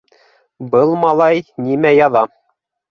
- Был малай нимә яҙа...